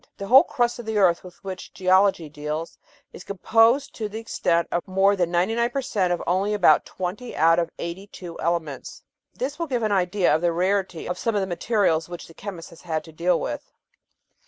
The whole crust of the earth with which geology deals is composed to the extent of more than 99 per cent, of only about twenty out of the eighty two elements. This will give an idea of the rarity of some of the materials which the chemist has had to deal with.